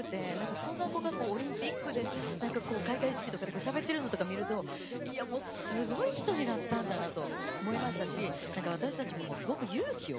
そんな子がオリンピックで開会式とかでしゃべっているのを見るとすごい人になったんだなと思いましたし私たちも、すごく勇気を。